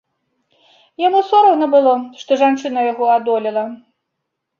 Яму сорамна было, што жанчына яго адолела.